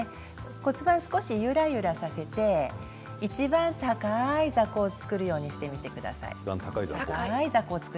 骨盤を少しゆらゆらさせていちばん高い座高を作るようにしてください。